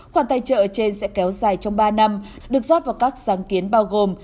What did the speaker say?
khoản tài trợ trên sẽ kéo dài trong ba năm được rót vào các sáng kiến bao gồm